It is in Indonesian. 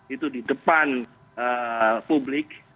itu di depan publik